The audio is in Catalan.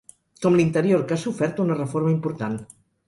Com l’interior que ha sofert una reforma important.